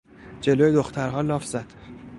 جلو دخترها لاف زد.